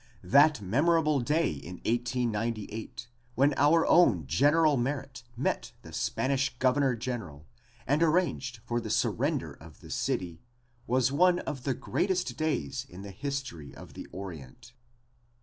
That memorable day in 1898 when our own General Merritt met the Spanish governor general and arranged for the surrender of the city, was one of the greatest days in the history of the orient.